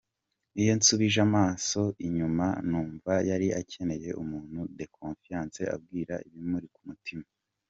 Iyo nsubije amaso inyuma numva yari akeneye umuntu de confiance abwira ibimuri ku mutima.